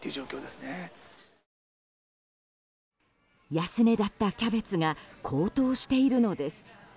安値だったキャベツが高騰しているのです。